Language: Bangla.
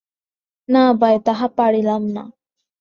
না ভাই, তাহা পারিলাম না।